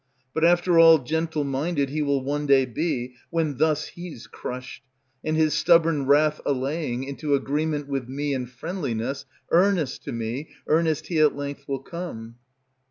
But after all Gentle minded He will one day be, when thus he's crushed, And his stubborn wrath allaying, Into agreement with me and friendliness Earnest to me earnest he at length will come.